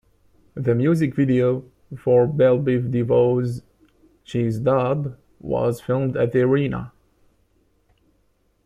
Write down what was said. The music video for Bell Biv DeVoe's "She's Dope" was filmed at the arena.